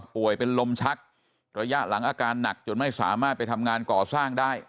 เป็นลมชักระยะหลังอาการหนักจนไม่สามารถไปทำงานก่อสร้างได้